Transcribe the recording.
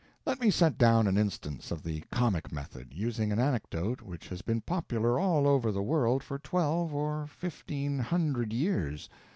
Let me set down an instance of the comic method, using an anecdote which has been popular all over the world for twelve or fifteen hundred years.